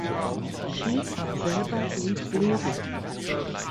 Schiess selber blieb ledig.